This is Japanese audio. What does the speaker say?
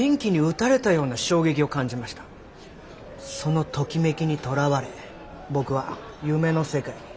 そのときめきにとらわれ僕は夢の世界にいる。